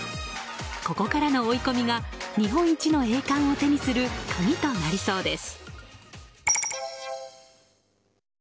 ここからの追い込みが日本一の栄冠を手にする鍵となりそうです。